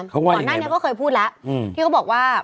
ก่อนหน้านี้ก็เคยพูดแล้วที่เขาบอกว่า